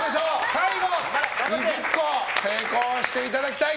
最後の２０個成功していただきたい！